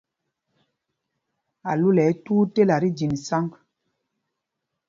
Alúla ɛ́ tuu tela fí jǐn sǎŋg.